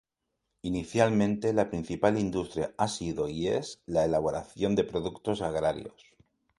Inicialmente la principal industria ha sido y es la elaboración de productos agrarios.